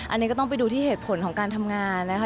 อันนี้ก็ต้องไปดูที่เหตุผลของการทำงานนะคะ